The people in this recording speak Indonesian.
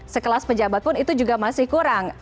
sekelas pejabat pun itu juga masih kurang